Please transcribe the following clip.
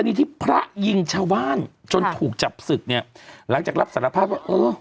กรณีที่พระยิงชาวาลจนถูกจับศึกเนี้ยหลังจากรับสารพากษ์ว่าเออ